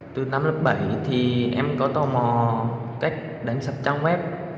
từ năm lớp bảy thì em có tò mò cách đánh sập trang web